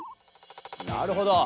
なるほど。